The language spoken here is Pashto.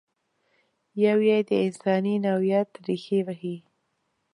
یو یې د انساني نوعیت ریښې وهي.